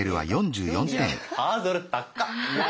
ハードル高っ！